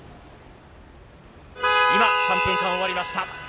今、３分間、終わりました。